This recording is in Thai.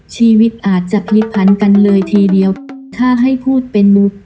ชีวิตอาจจะผิดพันกันเลยทีเดียวถ้าให้พูดเป็นมุก